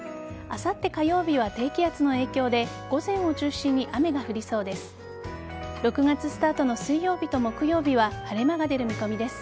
あさって火曜日は低気圧の影響で午前を中心に雨が降りそうです。